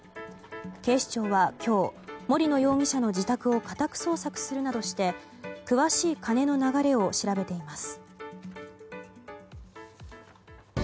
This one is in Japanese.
警視庁は今日、森野容疑者の自宅を家宅捜索するなどして詳しい金の流れを調べています。